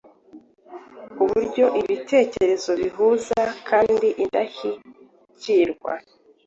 uburyo ibitekerezo bihuza, kuba indahyikirwa